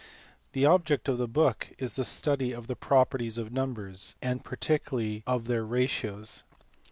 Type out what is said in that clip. The object of the book is the study of the properties of numbers, and particularly of their ratios.